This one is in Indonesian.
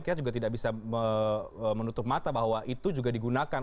kita juga tidak bisa menutup mata bahwa itu juga digunakan